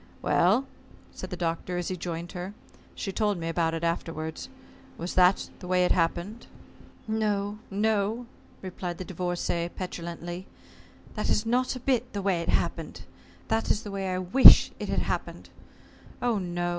"Well," said the Doctor, as he joined her she told me about it afterwards "was that the way it happened?" "No, no," replied the Divorcée, petulantly. "That is not a bit the way it happened. That is the way I wish it had happened. Oh, no.